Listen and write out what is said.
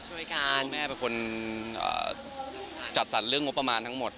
ช่วยกันแม่เป็นคนจัดสรรเรื่องงบประมาณทั้งหมด